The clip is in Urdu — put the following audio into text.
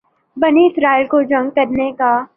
بنی اسرائیل کو جنگ کرنے کا